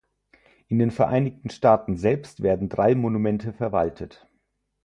In den Vereinigten Staaten selbst werden drei Monumente verwaltet.